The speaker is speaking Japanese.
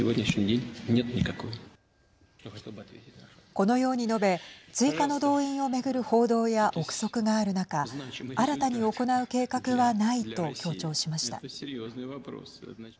このように述べ追加の動員を巡る報道や臆測がある中新たに行う計画はないと強調しました。